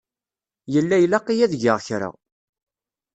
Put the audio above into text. Yella ilaq-iyi ad geɣ kra.